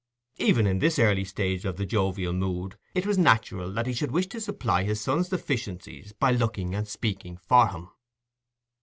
Even in this early stage of the jovial mood, it was natural that he should wish to supply his son's deficiencies by looking and speaking for him.